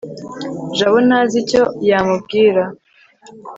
jabo ntazi icyo yamubwira